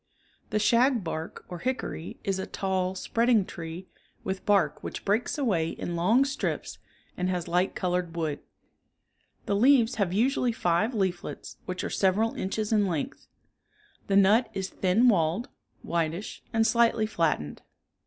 79 The shagbark, or hickory, is a tall, spreading tree, with bark which breaks away in long strips and has light colored wood. The leaves have usu ally five leaflets which are several inches in length. The nut is thin walled, whitish and slightly flattened.